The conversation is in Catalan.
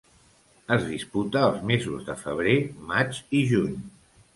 Es disputa els mesos de febrer, maig i juny.